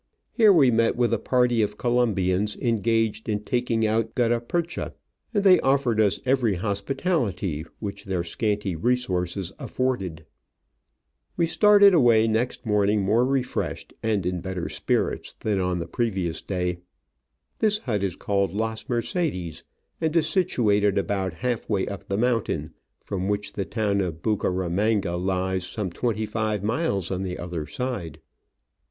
Here we met with a party of Colom bians engaged in taking out gutta percha, and they offered us every hospitality which their scanty resources afforded. We started away next morning more refreshed and in better spirits than on the Digitized by VjOOQIC 76 Travels and Adventures previous day.' This hut is called Las Mercedes, and is situated about half way up the mountain, from which the town of Bucaramanga lies some twenty five miles on the other side.